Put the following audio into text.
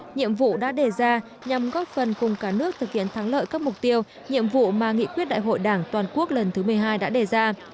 nhiệm vụ đã đề ra nhằm góp phần cùng cả nước thực hiện thắng lợi các mục tiêu nhiệm vụ mà nghị quyết đại hội đảng toàn quốc lần thứ một mươi hai đã đề ra